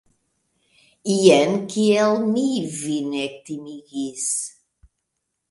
Jen kiel mi vin ektimigis!